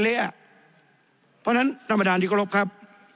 เพราะฉะนั้นนับประดานที่กรบครับ